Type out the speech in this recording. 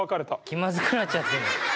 気まずくなっちゃってる。